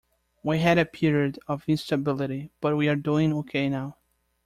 We had a period of instability but we're doing ok now.